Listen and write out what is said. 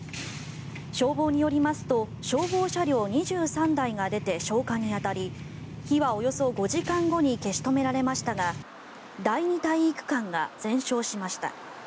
消防によりますと消防車両２３台が出て消火に当たり火はおよそ５時間後に消し止められましたが第２体育館が全焼しました。